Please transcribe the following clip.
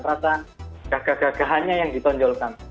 rasa gagah gagahannya yang ditonjolkan